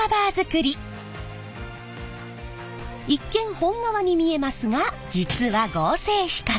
一見本革に見えますが実は合成皮革！